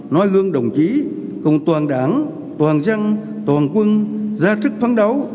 nói gương đồng chí cùng toàn đảng toàn dân toàn quân ra trích phán đấu